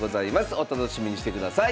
お楽しみにしてください。